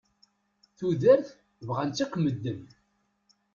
Tudert, bɣan-tt akk medden.